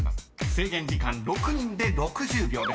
制限時間６人で６０秒です］